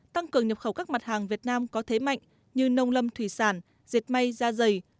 tăng cường nhập khẩu các mặt hàng việt nam có thế mạnh như nông lâm thủy sản diệt may da dày